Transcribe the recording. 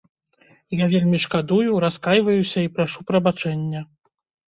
Я вельмі шкадую, раскайваюся і прашу прабачэння.